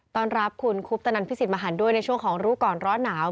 ต้อนรับคุณคุปตนันพิสิทธิมหันด้วยในช่วงของรู้ก่อนร้อนหนาว